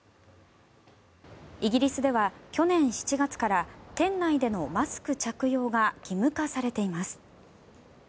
イギリスでは、去年７月から店内でのマスク着用が義務化されています。